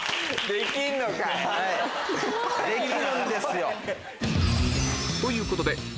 できるんですよ。ということでＨｅｙ！